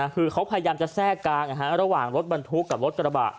คือเขาพยายามจะแทรกกลางระหว่างรถบรรทุกกับรถกระบะ